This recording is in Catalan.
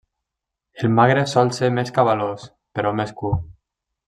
El Magre sol ser més cabalós, però més curt.